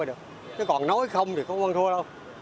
nó còn nói không thì không có con thua đâu